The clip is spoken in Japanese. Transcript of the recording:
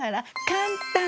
「簡単！